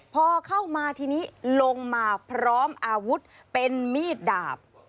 พอเข้ามาทีนี้ลงมาพร้อมอาวุธเป็นมีดดาบ